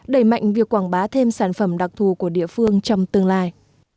đẩy mạnh việc quảng bá thêm sản phẩm đặc thù của địa phương trong tương lai